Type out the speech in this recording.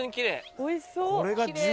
おいしそう。